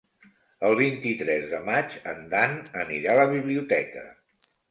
El vint-i-tres de maig en Dan anirà a la biblioteca.